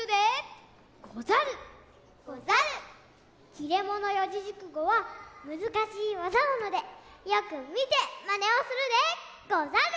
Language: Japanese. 「切れ者四字熟語」はむずかしいわざなのでよくみてまねをするでござる！